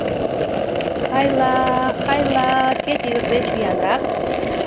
Хай-ла-а, хай-ла-а, кӧ тигр деч виянрак?